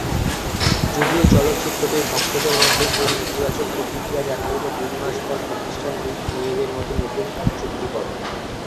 যদিও চলচ্চিত্রটির ভক্তদের মধ্যে এর নেতিবাচক প্রতিক্রিয়া দেখা দিলে দুই মাস পর প্রতিষ্ঠান দুইটি নিজেদের মধ্যে নতুন এক চুক্তি করে।